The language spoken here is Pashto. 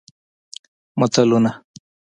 متلونه